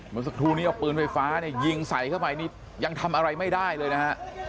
เมื่อกั้นหนึ่งเอาเปลืองไฟฟ้าเนี้ยยิงใส่เข้ามาอันนี้ยังทำอะไรไม่ได้เลยนะฮะ